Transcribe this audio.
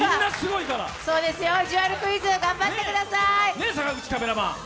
いじわるクイズ、頑張ってください。